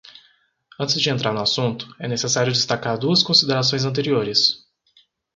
Antes de entrar no assunto, é necessário destacar duas considerações anteriores.